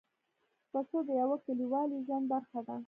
پسه د یوه کلیوالي ژوند برخه ده.